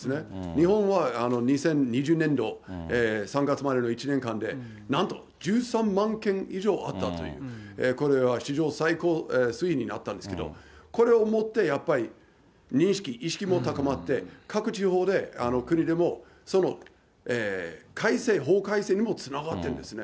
日本は２０２０年度、３月までの１年間で、なんと１３万件以上あったという、これは史上最高推移になったんですけども、これをもってやっぱり認識、意識も高まって、各地方で、国でも、法改正にもつながってるんですね。